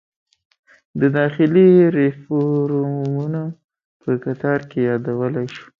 د داخلي ریفورومونو په قطار کې یادولی شو.